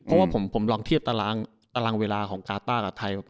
เพราะว่าผมลองเทียบตารางตารางเวลาของกาต้ากับไทย